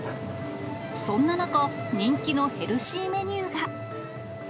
そんな中、人気のヘルシーメニューが。